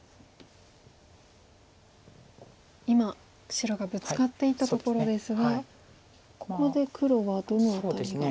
今白がブツカっていったところですがここで黒はどの辺りが。